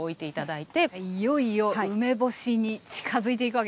いよいよ梅干しに近づいていくわけですね